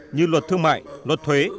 như luật thương mại luật thuế